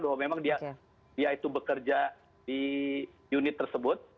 bahwa memang dia itu bekerja di unit tersebut